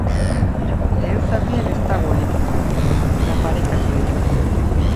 Lehen zatian ez da golik izan, eta parekatua izan da.